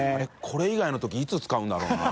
△これ以外のときいつ使うんだろうな？